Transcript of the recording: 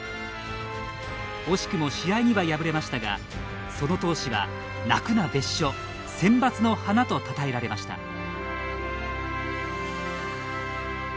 惜しくも試合には敗れましたがその闘志は「泣くな別所センバツの花」とたたえられました。